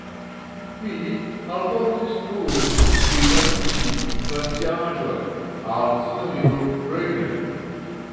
Mi alportis nur tiun ĉi glaciaĵon al sinjorino Breine.